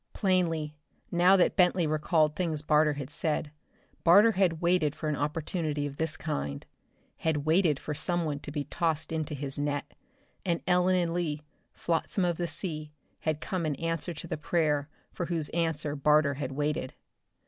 Plainly, now that Bentley recalled things Barter had said, Barter had waited for an opportunity of this kind had waited for someone to be tossed into his net and Ellen and Lee, flotsam of the sea, had come in answer to the prayer for whose answer Barter had waited.